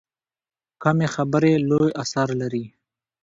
کمې خبرې، لوی اثر لري.